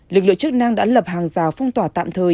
lực lượng chức năng đã lập hàng rào phong tỏa tạm thời